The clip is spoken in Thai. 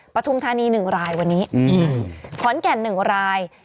ปฐุมธานี๑รายวันนี้ขอนแก่น๑ราย